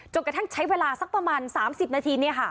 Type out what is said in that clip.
กระทั่งใช้เวลาสักประมาณ๓๐นาที